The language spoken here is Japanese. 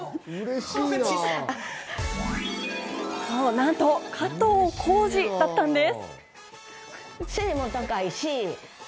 なんと、加藤浩次だったんです。